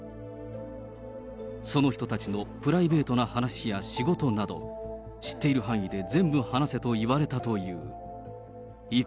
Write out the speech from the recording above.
その人たちのプライベートな話や仕事など、知っている範囲で全部話せと言われたという。